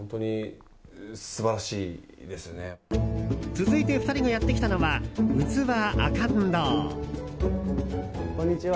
続いて２人がやってきたのはうつわ阿閑堂。